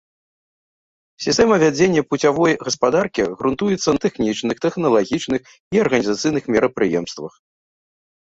Сістэма вядзення пуцявой гаспадаркі грунтуецца на тэхнічных, тэхналагічных і арганізацыйных мерапрыемствах.